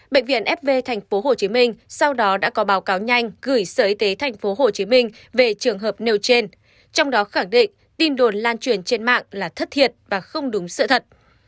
bệnh viện fv tp hcm sau đó đã có báo cáo nhanh gửi sở y tế tp hcm về trường hợp nêu trên trong đó khẳng định tin đồn lan truyền trên mạng là thất thiệt và không đúng sự thật